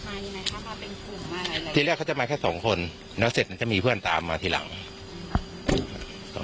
ยังไงคะมาเป็นกลุ่มอะไรที่แรกเขาจะมาแค่สองคนแล้วเสร็จมันก็มีเพื่อนตามมาทีหลัง